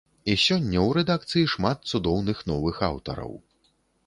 І сёння ў рэдакцыі шмат цудоўных новых аўтараў.